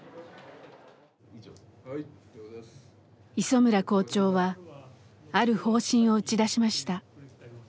磯村校長はある方針を打ち出しました。